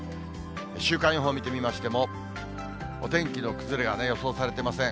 週間予報見てみましても、お天気の崩れは予想されていません。